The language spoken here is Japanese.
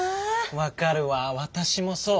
分かるわ私もそう。